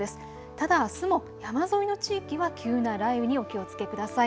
ただあすも山沿いの地域は急な雷雨にお気をつけください。